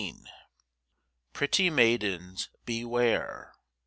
PRETTY MAIDENS BEWARE!